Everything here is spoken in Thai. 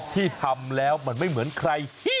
ที่ทำแล้วมันไม่เหมือนใคร